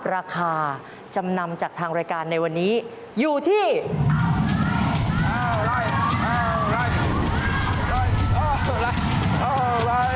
ราคามันจะอยู่ที่เท่าไรไปดูกันค่ะ